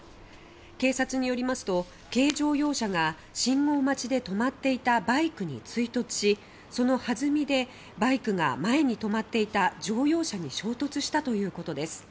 警察によりますと軽乗用車が信号待ちで止まっていたバイクに追突しその弾みでバイクが前に止まっていた乗用車に衝突したということです。